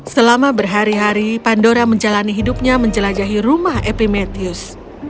selama berhari hari pandora menjalani hidupnya menjelajahi rumah epimetheus